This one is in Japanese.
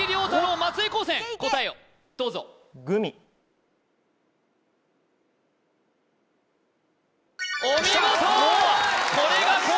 松江高専答えをどうぞお見事！